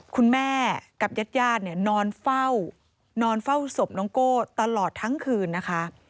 คุณแม่กับญาตินอนเฝ้านอนเฝ้าสมน้องโก้ตลอดทั้งคืนนะคะ